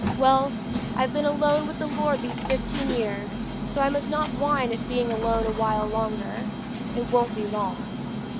"Well, I've been alone with the Lord these fifteen years, so I must not whine at being alone a while longer it won't be long."